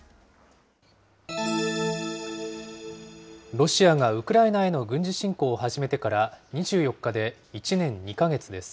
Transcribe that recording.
ロシアがウクライナへの軍事侵攻を始めてから２４日で１年２か月です。